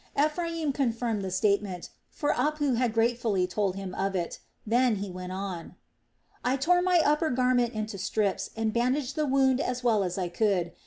Ephraim confirmed the statement, for Apu had gratefully told him of it. Then he went on. "I tore my upper garment into strips and bandaged the wound as well as I could.